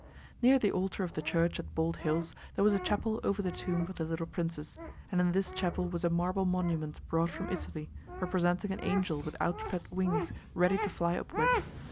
Near the altar of the church at Bald Hills there was a chapel over the tomb of the little princess, and in this chapel was a marble monument brought from Italy, representing an angel with outspread wings ready to fly upwards.